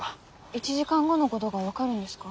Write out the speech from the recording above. １時間後のごどが分かるんですか？